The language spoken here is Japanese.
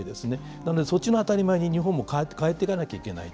なので、そっちの当たり前に日本も変えていかなきゃいけないと。